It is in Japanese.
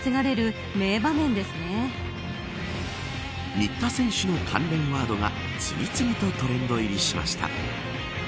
新田選手の関連ワードが次々とトレンド入りしました。